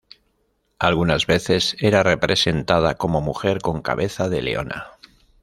Algunas veces era representada como mujer con cabeza de leona.